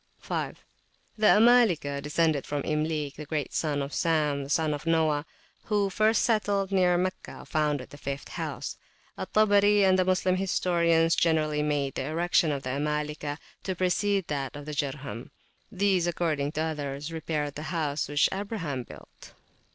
5. The Amalikah (descended from Imlik, great grandson of Sam, son of Noah), who first settled near Meccah, founded the fifth house. Al Tabari and the Moslem [p.322] historians generally made the erection of the Amalikah to precede that of the Jurham; these, according to others, repaired the house which Abraham built.